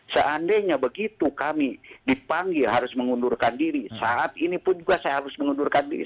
seandainya begitu kami dipanggil harus mengundurkan diri saat ini pun juga saya harus mengundurkan diri